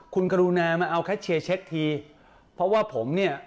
คุณกรุณามาเอาแคชเชียร์เช็คทีเพราะว่าผมเนี่ย